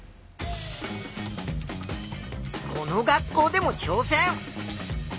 この学校でもちょう戦。